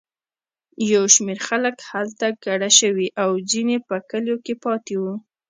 یو شمېر خلک هلته کډه شوي او ځینې په کلیو کې پاتې وو.